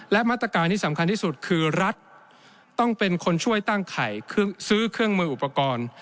และมาตรการที่สำคัญที่สุดคือรัฐต้องเป็นคนช่วยตั้งไข่ซื้อเครื่องมืออุปกรณ์